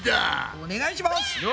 お願いします！